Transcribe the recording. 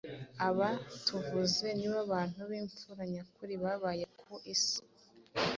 Aba tuvuze ni bo bantu b’impfura nyakuri babaye ku isi.